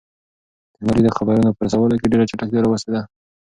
تکنالوژي د خبرونو په رسولو کې ډېر چټکتیا راوستې ده.